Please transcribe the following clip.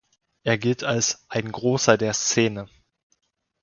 Er gilt als „ein Großer der Szene“.